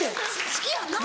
好きやんな？